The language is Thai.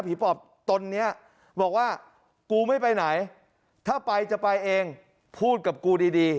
ปอบตนนี้บอกว่ากูไม่ไปไหนถ้าไปจะไปเองพูดกับกูดีดี